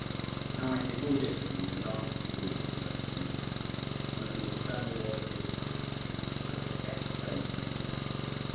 Now I take all this to be the last degree of perverting Nature, one of whose eternal laws it is to put her best furniture forward.